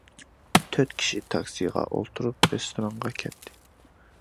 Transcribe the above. تۆت كىشى تاكسىغا ئولتۇرۇپ رېستورانغا كەتتى.